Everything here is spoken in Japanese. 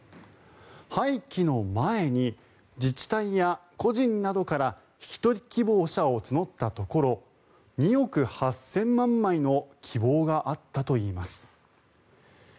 廃棄の前に自治体や個人などから引き取り希望者を募ったところ２億８０００万枚の希望があったといいます。